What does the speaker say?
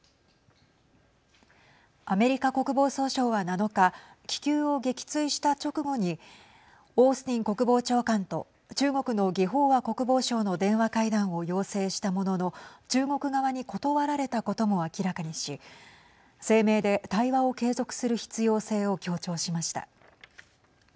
アメリカ国防総省は７日気球を撃墜した直後にオースティン国防長官と中国の魏鳳和国防相の電話会談を要請したものの中国側に断られたことも明らかにし声明で対話を継続する必要性を強調しました。